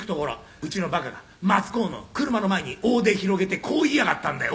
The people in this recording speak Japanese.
「うちの馬鹿がマツコウの車の前に大手広げてこう言いやがったんだよ